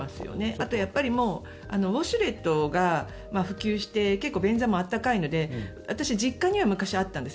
あと、ウォシュレットが普及して結構、便座も温かいので私、実家には昔、あったんです。